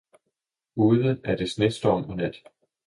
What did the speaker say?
Ude er det snestorm og nat.